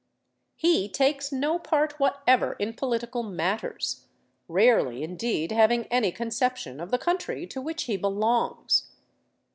He takes no part whatever in political matters, rarely indeed having any conception of the country to which he belongs.